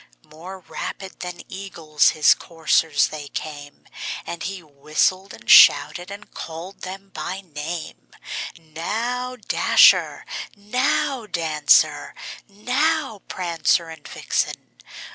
More rapid than eagles his coursers they came, And he whistled, and shouted, and called them by name; "Now, Dasher! now, Dancer! now, Prancer and Vixen!